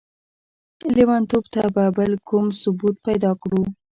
ليونتوب ته به بل کوم ثبوت پيدا کړو؟!